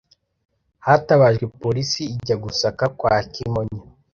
Hatabajwe Polisi ijya gusaka kwa Kimonyo